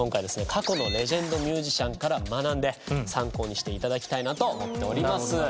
過去のレジェンドミュージシャンから学んで参考にして頂きたいなと思っております。